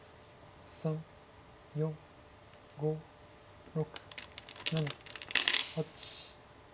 ３４５６７８９。